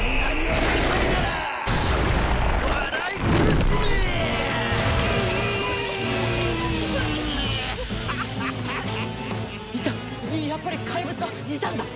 やっぱり怪物はいたんだ！